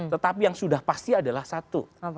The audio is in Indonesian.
tetapi yang sudah pasti adalah satu